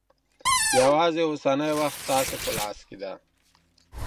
یوازې اوسنی وخت ستاسې په لاس کې دی.